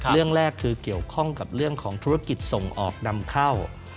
เรื่องแรกคือเกี่ยวข้องกับเรื่องของธุรกิจส่งออกนำเข้า